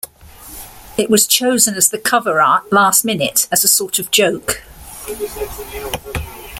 It was chosen as the cover art last minute as a sort of joke.